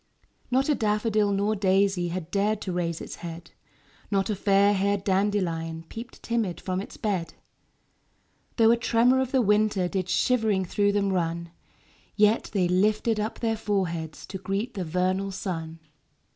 Not a daffodil nor daisy Had dared to raise its head; Not a fairhaired dandelion Peeped timid from its bed; THE CROCUSES. 5 Though a tremor of the winter Did shivering through them run; Yet they lifted up their foreheads To greet the vernal sun.